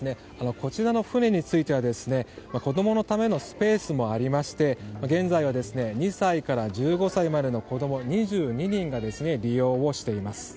こちらの船については子供のためのスペースもありまして現在は、２歳から１５歳までの子供２２人が利用をしています。